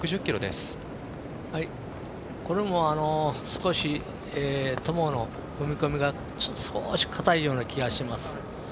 少しトモの踏み込みが少しかたいような気がします。